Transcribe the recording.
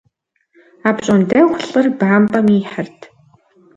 Апщӏондэху лӏыр бампӏэм ихьырт.